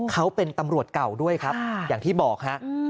เขาเป็นตำรวจเก่าด้วยครับอย่างที่บอกฮะ